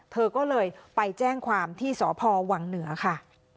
เธอก็เลยไปแจ้งความที่สพวังเหนือค่ะ